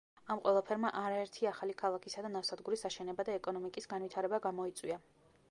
ამ ყველაფერმა არაერთი ახალი ქალაქისა და ნავსადგურის აშენება და ეკონომიკის განვითარება გამოიწვია.